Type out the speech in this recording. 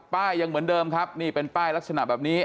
ยังเหมือนเดิมครับนี่เป็นป้ายลักษณะแบบนี้